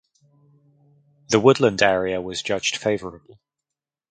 The woodland area was judged favourable.